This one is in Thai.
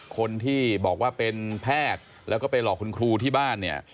คนที่บอกว่าเป็นแพทย์แล้วก็ไปหลอกคุณครูที่บ้านเนี่ย